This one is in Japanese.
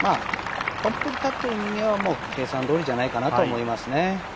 本当に取っている人間は計算どおりじゃないかなと思いますね。